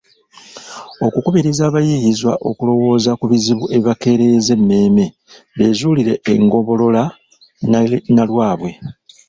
Okukubiriza abayiiyizwa okulowooza ku bizibu ebibakeeyereza emmeeme, beezuulire engombolola nnalwabwe